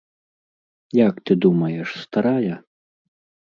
Як ты думаеш, старая?